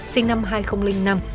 sinh năm hai nghìn năm